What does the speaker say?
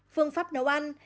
phương pháp nấu ăn